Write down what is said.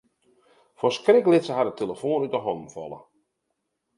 Fan skrik lit se har de telefoan út 'e hannen falle.